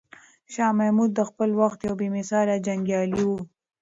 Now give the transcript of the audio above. شاه محمود د خپل وخت یو بې مثاله جنګیالی و.